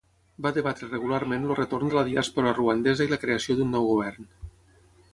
Va debatre regularment el retorn de la diàspora ruandesa i la creació d'un nou govern.